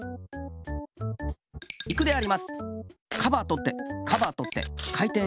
いくであります。